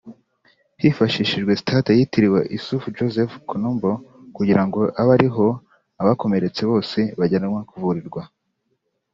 Hifashishijwe Stade yitiriwe Issoufou Joseph Conombo kugira ngo abe ari ho abakomeretse bose bajya kuvurirwa